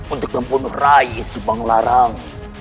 untuk membunuh rai subang larang